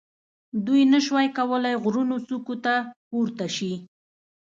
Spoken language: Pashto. دوی نه شوای کولای غرونو څوکو ته پورته شي.